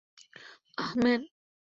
আহ, man.